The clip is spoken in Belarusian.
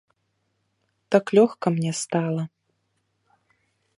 Так лёгка мне стала.